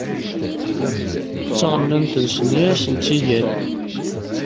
D taɣennant-nsen i asen-tt-igan.